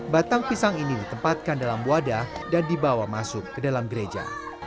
batang pisang ini ditempatkan dalam wadah dan dibawa masuk ke dalam gereja